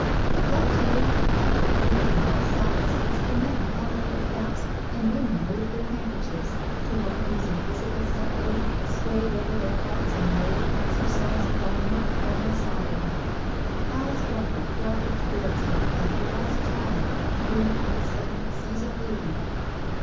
" Good luck to you "— came from all sides as the men held up their caps and women waved their hand kerchiefs to one whose invisible sceptre swayed over their hearts in a way exercised by no crowned sovereign. 328 NO SURRENDER Alice Walker darted towards her like a lost child who on a sudden sees a haven.